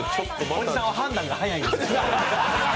おじさんは判断が早いんです。